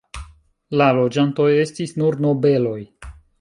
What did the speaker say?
La loĝantoj estis nur nobeloj.